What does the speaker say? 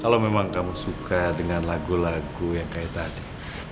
kalau memang kamu suka dengan lagu lagu yang kayak tadi